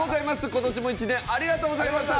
今年も１年ありがとうございました。